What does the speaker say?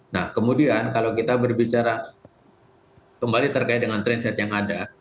nah kemudian kalau kita berbicara kembali terkait dengan trainset yang ada